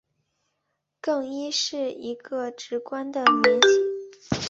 更衣是一个职官的名衔。